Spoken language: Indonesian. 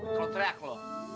kalo teriak lo